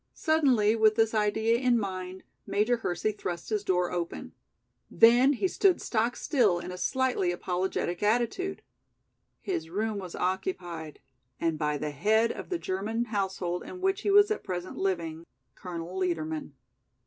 Suddenly, with this idea in mind, Major Hersey thrust his door open. Then he stood stock still in a slightly apologetic attitude. His room was occupied and by the head of the German household in which he was at present living, Colonel Liedermann.